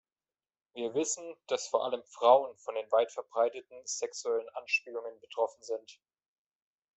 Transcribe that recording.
Wir wissen, dass vor allem Frauen von den weit verbreiteten sexuellen Anspielungen betroffen sind.